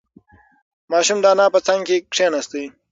ماشوم د انا په څنگ کې کېناست.